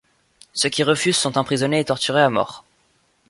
Ceux qui refusent sont emprisonnés et torturés à mort.